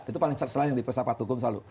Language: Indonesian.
itu paling salah yang di persyarat hukum selalu